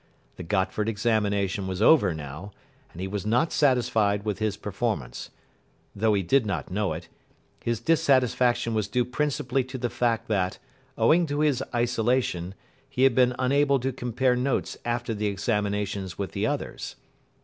The Gotford examination was over now, and he was not satisfied with his performance. Though he did not know it, his dissatisfaction was due principally to the fact that, owing to his isolation, he had been unable to compare notes after the examinations with the others.